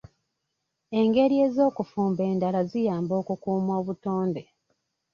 Engeri ez'okufumba endala ziyamba okukuuma obutonde.